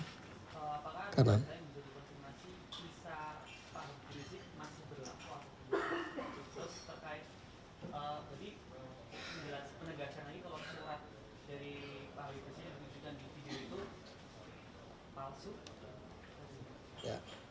terus terkait jadi penjelasan penegasan lagi kalau penjelasan dari pak habib risik yang diberikan di video itu palsu